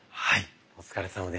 はい。